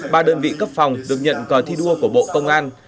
ba đơn vị cấp phòng được nhận cờ thi đua của bộ công an